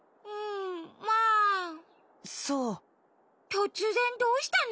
とつぜんどうしたの？